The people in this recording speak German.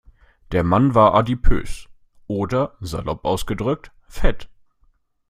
Der Mann war adipös, oder salopp ausgedrückt: Fett.